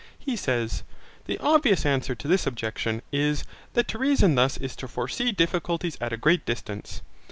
He says: The obvious answer to this objection, is, that to reason thus is to foresee difficulties at a great distance.